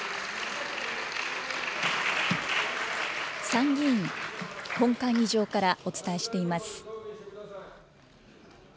参議院本会議場からお伝えしています。